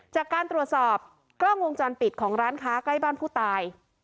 จากการตรวจสอบกล้องวงจรปิดของร้านค้าใกล้บ้านผู้ตาย